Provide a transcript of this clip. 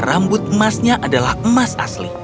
rambut emasnya adalah emas asli